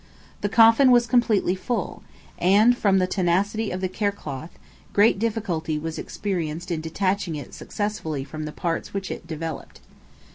The coffin was completely full, and, from the tenacity of the cerecloth, great difficulty was experienced in detaching it successfully from the parts which it developed.